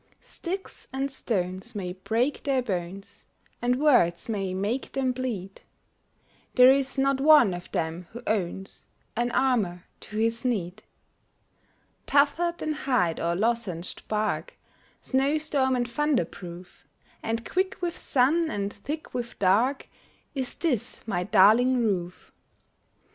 Sticks and stones may break their bones, And words may make them bleed; There is not one of them who owns An armor to his need. Tougher than hide or lozenged bark, Snow storm and thunder proof, And quick with sun, and thick with dark, Is this my darling roof.